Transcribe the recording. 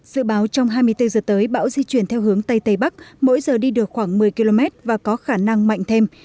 dự báo trong hai mươi bốn h tới bão di chuyển theo hướng tây tây bắc mỗi giờ đi được khoảng một mươi km và có khả năng mạnh thêm